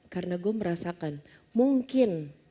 karena gue merasakan mungkin